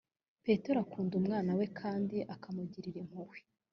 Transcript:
petero akunda mwanya we kandi ukamugirira impuhwe